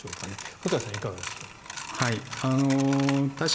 細谷さん、いかがですか？